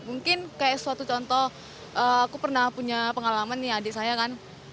mungkin kayak suatu contoh aku pernah punya pengalaman nih adik saya kan